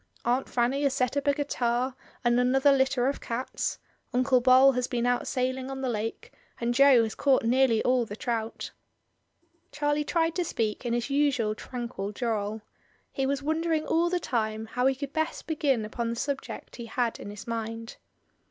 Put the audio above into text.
Aunt Fanny has set up a guitar and another litter of cats; Uncle Bol has been out sailing on the lake, and Jo has caught nearly all the trout." Charlie tried to speak in his usual tranquil drawl. He was wondering all the time how he could best begin upon the subject he had in his mind.